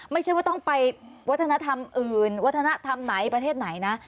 ไม่ใช่ว่าต้องไปวัฒนธรรมอื่นวัฒนธรรมไหนประเทศไหนนะ